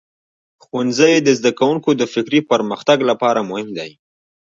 ښوونځی د زده کوونکو د فکري پرمختګ لپاره مهم دی.